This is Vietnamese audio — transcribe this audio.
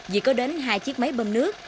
vì có đến hai chiếc máy bơm nước